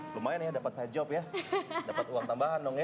lumayan ya dapat side job ya dapat uang tambahan dong ya